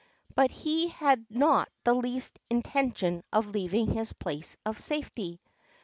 But he had not the least intention of leaving his place of safety.